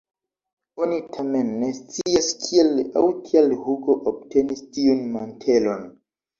Oni tamen ne scias kiel aŭ kial Hugo obtenis tiun mantelon.